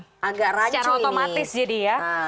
secara otomatis jadi ya